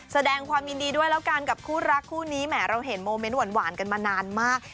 แสดงความยินดีด้วยแล้วกันกับคู่รักคู่นี้แหมเราเห็นโมเมนต์หวานกันมานานมาก